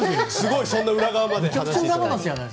そんな裏側まですごい。